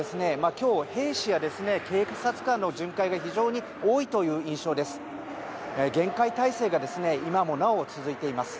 今日、兵士や警察官の巡回が非常に多いという印象です。